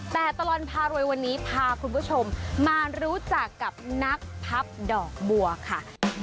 แต่ตลอดพารวยวันนี้พาคุณผู้ชมมารู้จักกับนักพับดอกบัวค่ะ